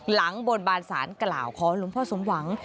บนบานสารกล่าวขอหลวงพ่อสมหวัง